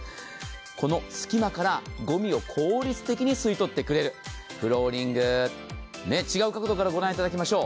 この隙間からごみを効率的に吸い取ってくれる、フローリング、違う角度から御覧いただきましょう。